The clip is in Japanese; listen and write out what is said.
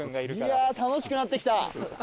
いやあ楽しくなってきた。